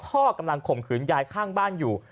กำลังข่มขืนยายข้างบ้านอยู่